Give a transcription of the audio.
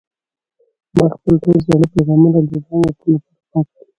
ما خپل ټول زاړه پیغامونه له موبایل نه د تل لپاره پاک کړل.